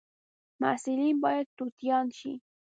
محصلین باید توتیان شي